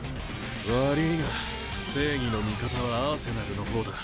悪ぃが正義の味方はアーセナルの方だ。